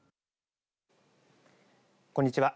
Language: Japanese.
こんにちは。